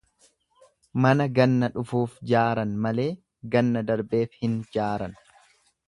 Mana ganna dhufuuf jaaran malee ganna darbeef hin jaaran.